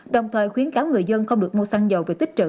đồng thời khuyến cáo người dân không được mua xăng dầu về tích trữ